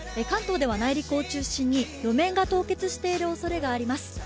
関東では内陸を中心に路面が凍結しているおそれがあります。